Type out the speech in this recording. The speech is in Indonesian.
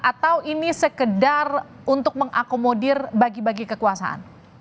atau ini sekedar untuk mengakomodir bagi bagi kekuasaan